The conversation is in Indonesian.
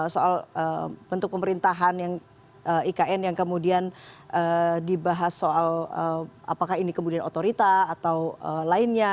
soal bentuk pemerintahan yang ikn yang kemudian dibahas soal apakah ini kemudian otorita atau lainnya